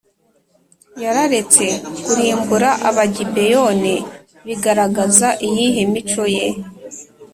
yararetse kurimbura Abagibeyoni bigaragaza iyihe mico ye